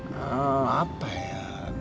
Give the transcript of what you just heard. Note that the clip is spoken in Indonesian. nah apa ya